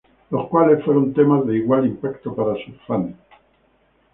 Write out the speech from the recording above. Los cuales fueron temas de igual impacto para sus fanes.